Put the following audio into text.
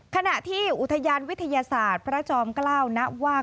ขณะที่อุทยานวิทยาศาสตร์พระจอมเกล้านะว่า